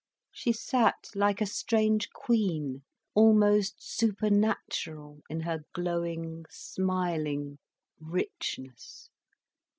She sat like a strange queen, almost supernatural in her glowing smiling richness.